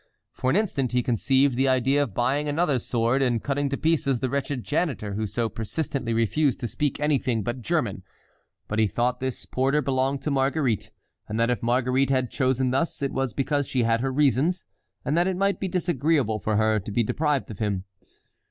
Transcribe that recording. For an instant he conceived the idea of buying another sword and cutting to pieces the wretched janitor who so persistently refused to speak anything but German, but he thought this porter belonged to Marguerite, and that if Marguerite had chosen thus, it was because she had her reasons, and that it might be disagreeable for her to be deprived of him.